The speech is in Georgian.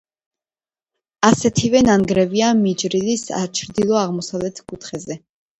ასეთივე ნანგრევია მიჯრილი ჩრდილო-აღმოსავლეთ კუთხეზე.